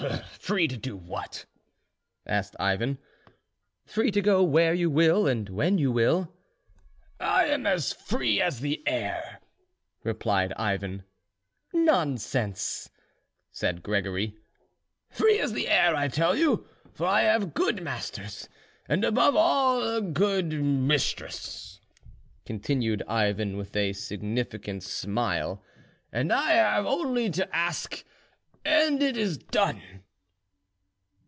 "Free to do what?" asked Ivan. "Free to go where you will and when you will." "I am as free as the air," replied Ivan. "Nonsense!" said Gregory. "Free as air, I tell you; for I have good masters, and above all a good mistress," continued Ivan, with a significant smile, "and I have only to ask and it is done."